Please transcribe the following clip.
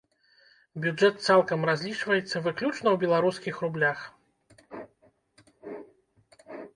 Бюджэт цалкам разлічваецца выключна ў беларускіх рублях.